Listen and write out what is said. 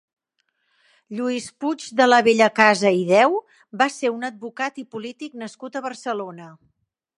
Lluís Puig de la Bellacasa i Deu va ser un advocat i polític nascut a Barcelona.